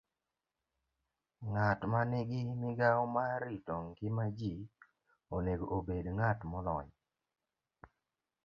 Ng'at ma nigi migawo mar rito ngima ji onego obed ng'at molony